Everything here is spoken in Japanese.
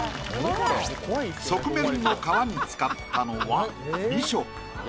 側面の皮に使ったのは２色。